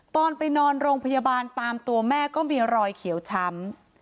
ตอนไปนอนโรงพยาบาลตามตัวแม่ก็มีรอยเขียวช้ำ